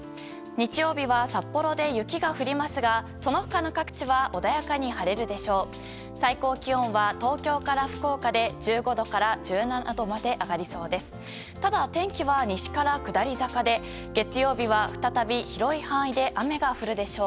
日曜日は札幌で雪が降りますがその他の各地は穏やかに晴れるでしょう。